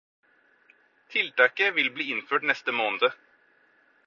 Tiltaket vil bli innført neste måned.